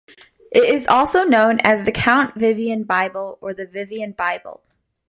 It is also known as the Count Vivian Bible or the Vivian Bible.